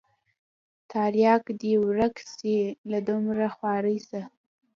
ترياک دې ورک سي له دومره خوارۍ سره.